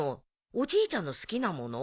おじいちゃんの好きなもの。